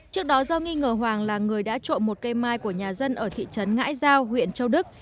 trước đó do nghi ngờ hoàng là người đã trộm một cây mai của nhà dân ở thị trấn ngãi giao huyện châu đức